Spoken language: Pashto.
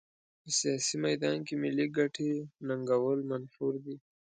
په سیاسي میدان کې ملي ګټې ننګول منفور دي.